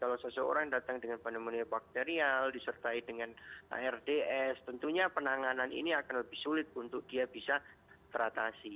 kalau seseorang datang dengan pneumonia bakterial disertai dengan ards tentunya penanganan ini akan lebih sulit untuk dia bisa teratasi